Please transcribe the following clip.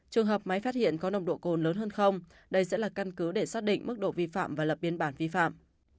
trường hợp máy phát hiện có nồng độ cồn lớn hơn không đây sẽ là căn cứ để xác định mức độ vi phạm và lập biên bản vi phạm